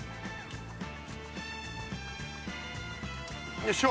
よいしょ！